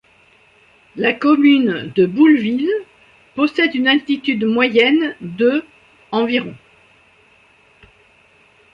La commune de Boulleville possède une altitude moyenne de environ.